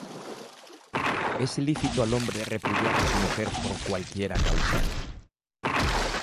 ¿Es lícito al hombre repudiar á su mujer por cualquiera causa?